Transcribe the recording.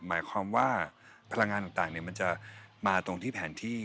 หมายความว่าพลังงานต่างมันจะมาตรงที่แผนที่